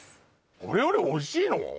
これよりおいしいの？